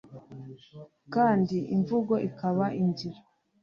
kandi imvugo ikaba ingiro